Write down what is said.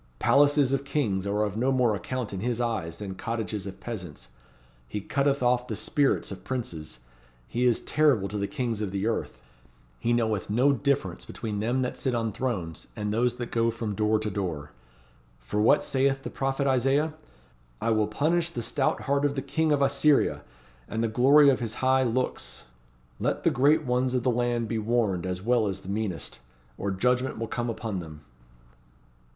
Palaces of kings are of no more account in His eyes than cottages of peasants. He cutteth off the spirits of Princes: he is terrible to the Kings of the earth.' He knoweth no difference between them that sit on thrones, and those that go from door to door. For what saith the prophet Isaiah? 'I will punish the stout heart of the King of Assyria, and the glory of his high looks.' Let the Great Ones of the land be warned as well as the meanest, or judgment will come upon them."